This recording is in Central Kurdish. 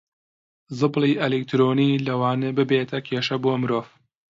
زبڵی ئەلیکترۆنی لەوانەیە ببێتە کێشە بۆ مرۆڤ